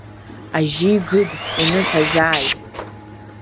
Ажьи Гыд, уныҳәазааит!